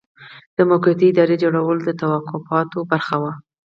د موقتې ادارې جوړول د توافقاتو برخه وه.